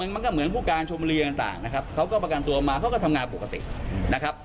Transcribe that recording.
มันก็เหมือนผู้การชมบุรีต่างนะครับเขาก็ประกันตัวมาเขาก็ทำงานปกตินะครับ